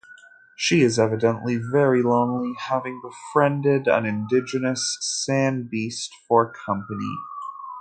She is evidently very lonely, having befriended an indigenous Sand Beast for company.